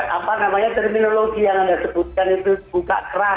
apa namanya terminologi yang anda sebutkan itu buka keran